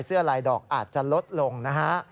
เสื้อลายดอกอาจจะลดลงนะฮะ